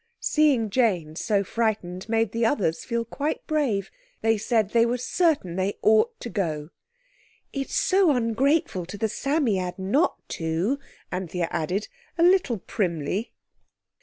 Seeing Jane so frightened, made the others feel quite brave. They said they were certain they ought to go. "It's so ungrateful to the Psammead not to," Anthea added, a little primly.